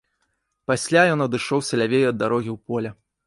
Пасля ён адышоўся лявей ад дарогі ў поле.